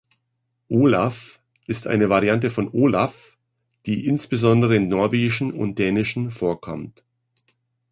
Olav ist eine Variante von Olaf, die insbesondere im Norwegischen und Dänischen vorkommt.